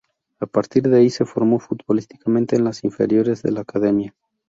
A partir de ahí se formó futbolísticamente en las inferiores de La Academia.